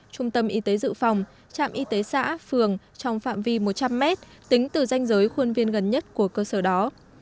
trung tâm y tế dự phòng trạm y tế xã phường trong phạm vi một trăm linh m tính từ danh giới khuôn viên gần nhất của cơ sở đó